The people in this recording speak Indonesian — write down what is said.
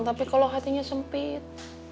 tapi kalau hatinya sempit